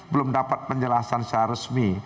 belum dapat penjelasan secara resmi